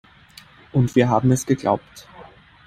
Und wir haben es geglaubt.